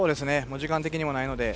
時間的にもないので。